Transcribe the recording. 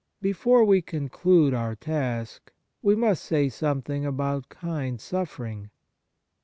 Before w^e conclude our task we must say something about kind suffering.